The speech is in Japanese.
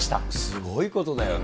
すごいことだよね。